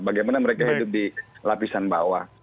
bagaimana mereka hidup di lapisan bawah